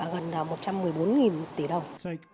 gần một trăm một mươi bốn tỷ đồng